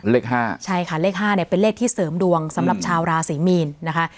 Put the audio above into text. เลข๕ใช่ค่ะเลข๕เนี่ยเป็นเลขที่เสริมดวงสำหรับชาวราศรีมีนนะคะ